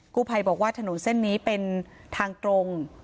กู้ภัยบอกว่าถนนเส้นนี้เป็นทางตรง